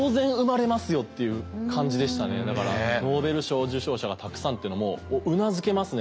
だからノーベル賞受賞者がたくさんってのもうなずけますね